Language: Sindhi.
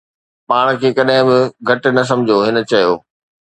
”پاڻ کي ڪڏهن به گهٽ نه سمجهو،“ هن چيو